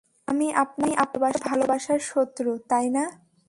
আমি আপনার ভালবাসার শত্রু, তাই না?